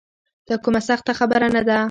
دا کومه سخته خبره نه ده.